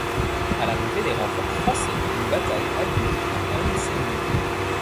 À l'arrivée des renforts français, une bataille a lieu à Ain Sennour.